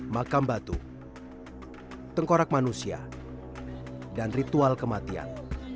makam batu tengkorak manusia dan ritual kematian